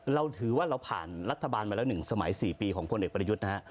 เราถือว่าเราผ่านรัฐบาลมาแล้ว๑สมัย๔ปีของพลเอกประยุทธ์นะฮะ